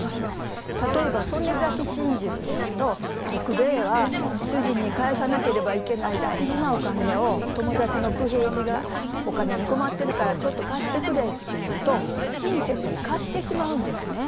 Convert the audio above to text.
例えば「曽根崎心中」ですと徳兵衛は主人に返さなければいけない大事なお金を友達の九平次が「お金に困ってるからちょっと貸してくれ」と言うと親切に貸してしまうんですね。